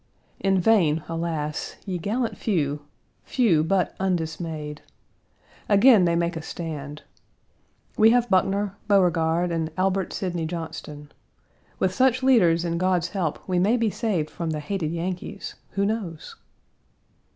In vain, alas! ye gallant few few, but undismayed. Again, they make a stand. We have Buckner, Beauregard, and Albert Sidney Johnston. With such leaders and God's help we may be saved from the hated Yankees; who knows?